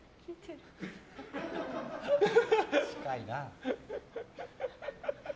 近いな。